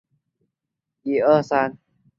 南朝齐武帝永明元年又废齐昌并入兴宁。